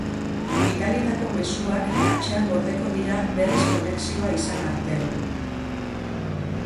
Bidalitako mezuak cachean gordeko dira berriz konexioa izan arte.